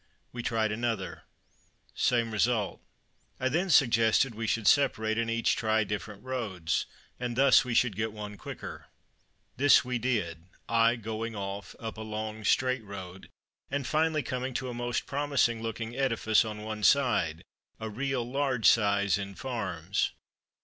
We tried another; same result. I then suggested we should separate, and each try different roads, and thus we should get one quicker. This we did, I going off up a long straight road, and finally coming to a most promising looking edifice on one side a real large size in farms.